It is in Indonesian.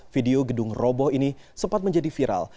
video gedung roboh ini sempat menjadi viral